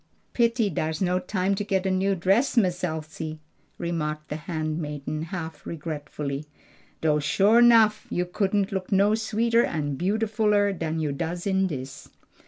"Pity dars no time to get a new dress, Miss Elsie," remarked the handmaiden half regretfully. "Doe sho' nuff you couldn't look no sweeter and beautifuller dan you does in dis."